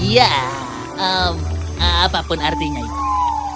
ya apapun artinya itu